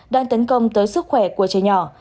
đang tấn công tới sức khỏe của trẻ nhỏ